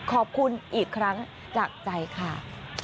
ขอบคุณอีกครั้งจากใจค่ะ